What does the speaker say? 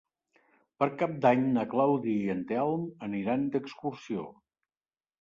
Per Cap d'Any na Clàudia i en Telm aniran d'excursió.